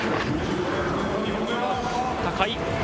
高い。